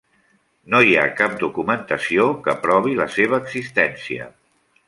No hi ha cap documentació que provi la seva existència.